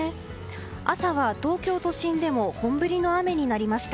朝は東京都心でも本降りの雨となりました。